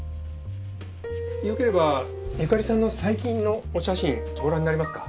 よければ由香里さんの最近のお写真ご覧になりますか？